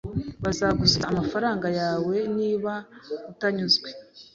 Bazagusubiza amafaranga yawe niba utanyuzwe